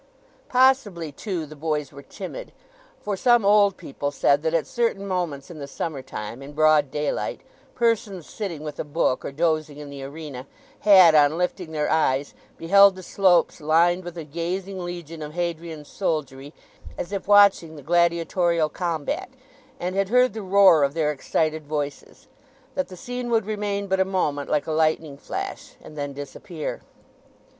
Possibly, too, the boys were timid, for some old people said that at certain moments in the summer time, in broad daylight, persons sitting with a book or dozing in the arena had, on lifting their eyes, beheld the slopes lined with a gazing legion of Hadrian's soldiery as if watching the gladiatorial combat; and had heard the roar of their excited voices, that the scene would remain but a moment, like a lightning flash, and then disappear.